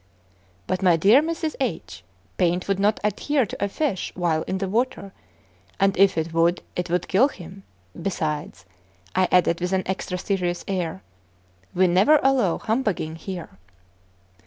"But, my dear Mrs. H., paint would not adhere to a fish while in the water; and if it would, it would kill him. Besides," I added, with an extra serious air, "we never allow humbugging here!"